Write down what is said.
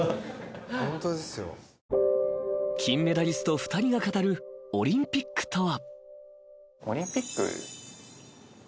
［金メダリスト２人が語るオリンピックとは］